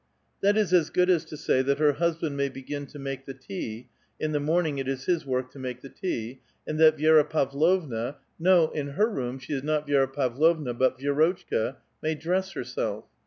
That is as good as to say that her husband may begin to make the tea (in the morning it is his work to make the tea), Und that Vi^ra Pavlovna — no, in her room, she is not Vi^ra l^avlovna, but Vi^rotchka — may dress herself.